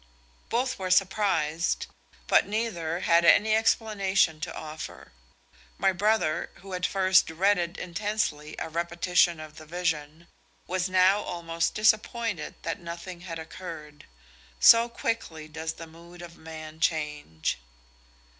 Both were surprised, but neither, had any explanation to offer. My brother, who at first dreaded intensely a repetition of the vision, was now almost disappointed that nothing had occurred; so quickly does the mood of man change.